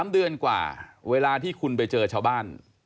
๓เดือนกว่าเวลาที่คุณไปเจอชาวบ้าน